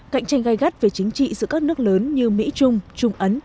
cạnh tranh gai gắt về chính trị giữa các nước lớn như mỹ trung trung ấn